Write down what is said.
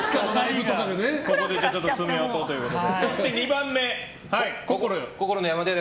ここで爪痕ということで。